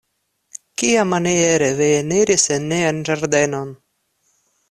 Kiamaniere vi eniris en nian ĝardenon.